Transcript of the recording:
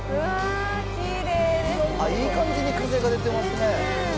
いい感じに風が出てますね。